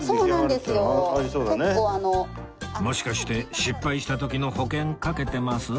もしかして失敗した時の保険かけてます？